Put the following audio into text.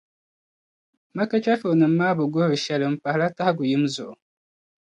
Makka chεfurinim’ maa bi guhiri shεli m-pahila tahigu yim zuɣu.